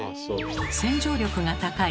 洗浄力が高い